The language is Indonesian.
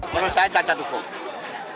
menurut saya cacat hukum